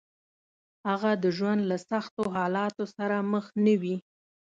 هغه د ژوند له سختو حالاتو سره مخ نه وي.